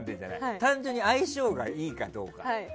単純に相性がいいかどうか。